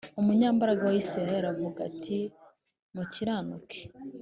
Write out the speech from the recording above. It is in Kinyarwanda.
Umunyambaraga wa Isirayeli avuga ati mukiranuke